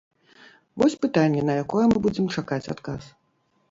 Вось пытанне, на якое мы будзем чакаць адказ.